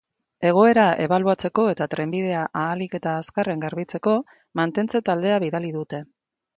Egoera ebaluatzeko eta trenbidea ahalik eta azkarren garbitzeko mantentze-taldea bidali dute.